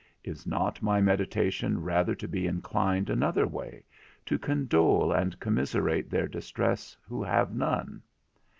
Is not my meditation rather to be inclined another way, to condole and commiserate their distress who have none?